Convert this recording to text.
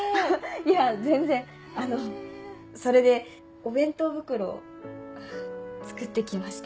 いや全然あのそれでお弁当袋を作ってきまして。